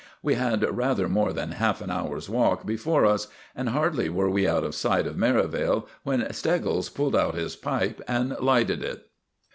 We had rather more than half an hour's walk before us, and hardly were we out of sight of Merivale when Steggles pulled out his pipe and lighted it.